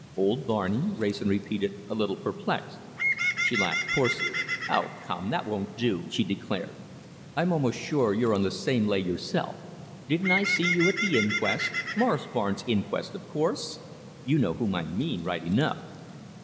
"Old Barney!" Wrayson repeated, a little perplexed. She laughed coarsely. "Oh! come, that won't do!" she declared. "I'm almost sure you're on the same lay yourself. Didn't I see you at the inquest? Morris Barnes' inquest, of course? You know whom I mean right enough."